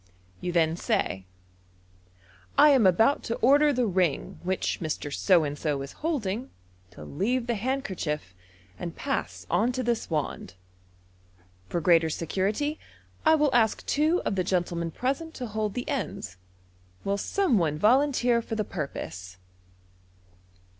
You then say, " I am about to order the ring which Mr. So and so is holding, to leave the handkerchief, and pass on to this wand. For greater security, I will ask two of the gentlemen present to hold the enda Will some one volunteer for the purpose